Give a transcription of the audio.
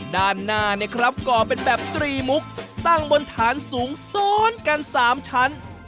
ด้านหน้าเนี่ยครับก่อเป็นแบบตรีมุกตั้งบนฐานสูงซ้อนกัน๓ชั้น